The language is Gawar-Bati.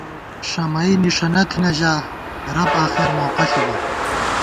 ݭمَئی نِݭَنہ تھنہ ژا ، رب آخر موقع ݪِبہ